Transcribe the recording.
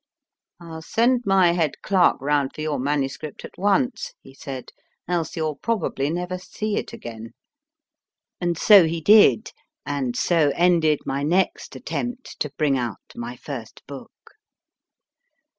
I ll send my head clerk round for your MS. at once, he said, else you ll probably never see it again. And so he did, and so ended my next attempt to bring out my first book.